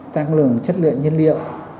tăng lượng chất lượng nhiên liệu